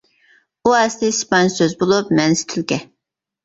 ئۇ ئەسلى ئىسپانچە سۆز بولۇپ، مەنىسى «تۈلكە» .